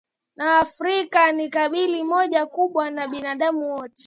na Waafrika ni kabila moja kubwa na binadamu wote